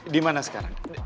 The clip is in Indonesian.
di mana sekarang